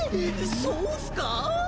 そうっすか？